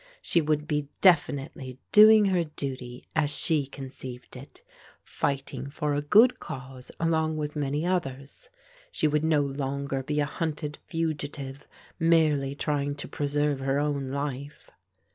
She would be definitely doing her duty, as she conceived it, fighting for a good cause along with many others; she would no longer be a hunted fugitive merely trying to preserve her own life.